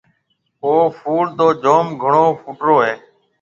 اَو ڦول تو جوم گھڻو ڦوٽرو هيَ۔